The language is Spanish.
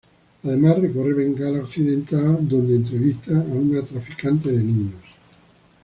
Además recorre Bengala Occidental, donde entrevista a una traficante de niños.